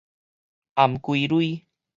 頷頸 lui